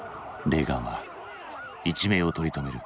レーガンは一命を取りとめる。